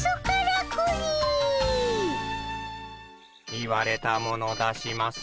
言われたもの出します。